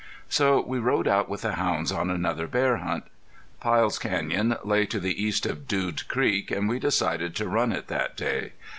So we rode out with the hounds on another bear hunt. Pyle's Canyon lay to the east of Dude Creek, and we decided to run it that day.